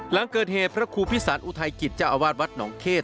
หลังเกิดเหตุพระครูพิสันอุทัยกิจจ้าวาสวัสดิ์วัดหนองเทศ